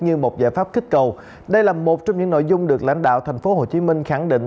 như một giải pháp kích cầu đây là một trong những nội dung được lãnh đạo tp hcm khẳng định